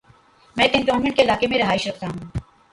میں کینٹونمینٹ کے علاقے میں رہائش رکھتا ہوں۔